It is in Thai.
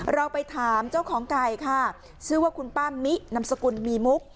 เราไปถามเจ้าของไก่ค่ะชื่อว่าคุณป้ามินำสกุลมีมุก